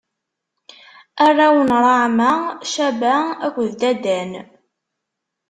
Arraw n Raɛma: Caba akked Dadan.